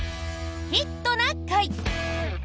「ヒットな会」！